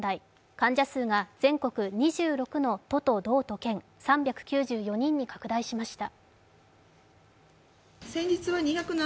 患者数が全国２６の都と道と県３９４人に拡大しました。